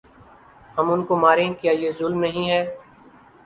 ہم ان کو ماریں کیا یہ ظلم نہیں ہے ۔